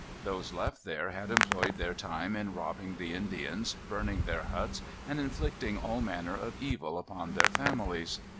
Those left there had employed their time in robbing the Indians, burning their huts, and inflicting all manner of evil upon their families.